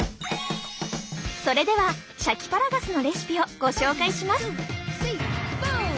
それではシャキパラガスのレシピをご紹介します。